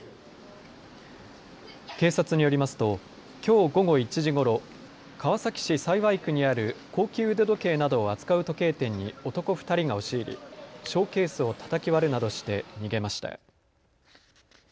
警察によりますときょう午後１時ごろ、川崎市幸区にある高級腕時計などを扱う時計店に男２人が押し入りショーケースをたたき割るなどして逃げました。